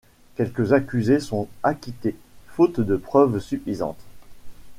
Quelques accusés sont acquittés faute de preuves suffisantes.